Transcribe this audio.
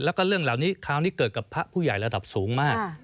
แล้วก็เรื่องเหล่านี้คราวนี้เกิดกับพระผู้ใหญ่ระดับสูงมาก